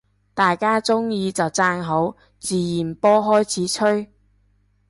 大家鍾意就讚好，自然波開始吹